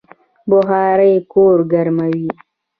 بخارۍ کور ګرموي